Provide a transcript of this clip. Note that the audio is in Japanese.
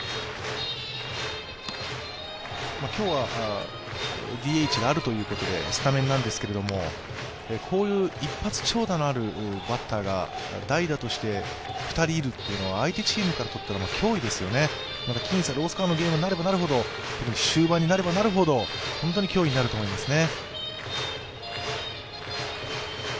今日はＤＨがあるということでスタメンなんですけど、こういう一発長打のあるバッターが代打として２人いるというのは相手チームからとったら脅威ですよね、またロースコアのゲームになればなるほど、終盤になればなるほど本当に脅威になると思いますね。